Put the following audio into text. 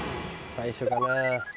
「最初がな」